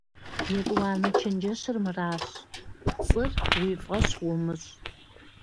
ЕтӀуанэ чэнджэщыр мыращ: пцӀыр уи фӀэщ умыщӀ.